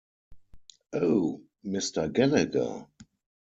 Oh Mister Gallagher!